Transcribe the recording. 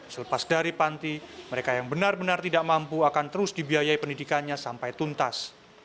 selepas dari panti mereka yang benar benar tidak mampu akan terus dibiayai pendidikannya sampai tuntas